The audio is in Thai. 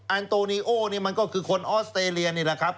อันโตนีโอนี่มันก็คือคนออสเตรเลียนี่แหละครับ